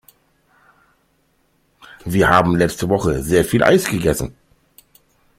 Wir haben letzte Woche sehr viel Eis gegessen.